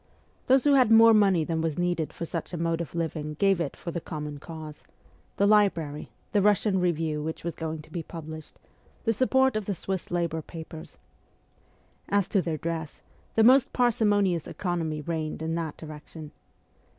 Those who had more money than was needed for such a mode of living gave it for the ' common cause ' the library, the Russian review which was going to be published, the support of the Swiss labour papers. As to their dress, the most parsimonious economy reigned in that direction.